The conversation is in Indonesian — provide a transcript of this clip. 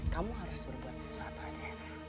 kamu harus berbuat sesuatu aja